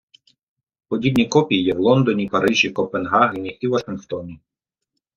Подібні копії є в Лондоні, Парижі, Копенгагені і Вашингтоні.